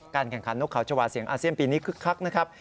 แข่งขันนกเขาชาวาเสียงอาเซียนปีนี้คึกคักนะครับ